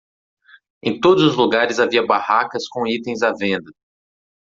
Em todos os lugares havia barracas com itens à venda.